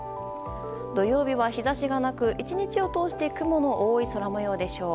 土曜日は日差しがなく１日を通して雲の多い空模様でしょう。